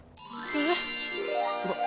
えっ？